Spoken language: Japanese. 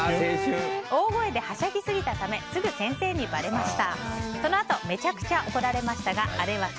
大声ではしゃぎすぎたためすぐ先生にばれました。